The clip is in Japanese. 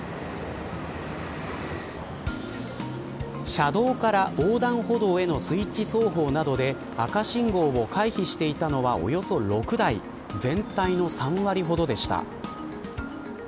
車道から横断歩道へのスイッチ走法などで赤信号を回避していたのはおよそ６台全体の３割ほどでした。